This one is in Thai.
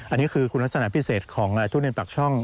อันนี้คือคุณลักษณะพิเศษของทุเรียนปากช่อง